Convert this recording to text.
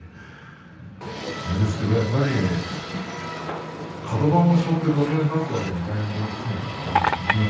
嫌ですけど、やっぱりカド番をしょって土俵に立つわけにはいきませんからね。